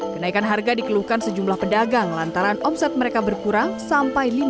kenaikan harga dikeluhkan sejumlah pedagang lantaran omset mereka berkurang sampai lima juta rupiah